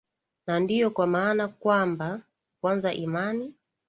na ndiyo kwa maana kwamba kwanza imani